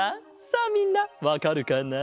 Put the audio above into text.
さあみんなわかるかな？